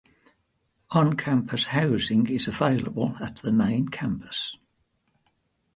On-campus housing is available at the main campus.